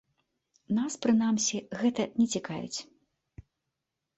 Нас, прынамсі, гэта не цікавіць.